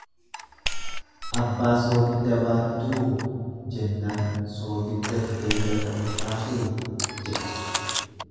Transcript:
"Abbaa ""soogidda baattuu?"" jennaan ""soogiddatu deegarra ulfaatee?"" jedhe."